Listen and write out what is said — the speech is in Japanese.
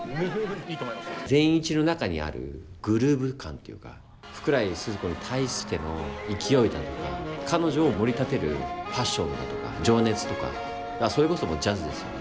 善一の中にあるグルーヴ感というか福来スズ子に対しての勢いだとか彼女をもり立てるパッションだとか情熱とかそれこそジャズですよね